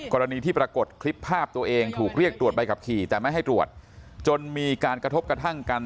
กรณีที่ปรากฏคลิปภาพตัวเองถูกเรียกตรวจใบขับขี่แต่ไม่ให้ตรวจจนมีการกระทบกระทั่งกัน